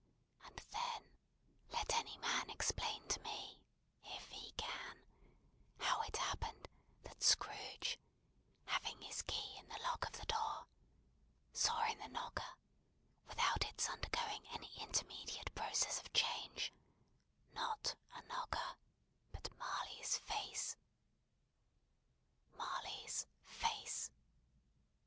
And then let any man explain to me, if he can, how it happened that Scrooge, having his key in the lock of the door, saw in the knocker, without its undergoing any intermediate process of change not a knocker, but Marley's face. Marley's face.